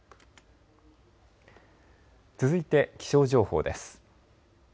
続いて気象情報です。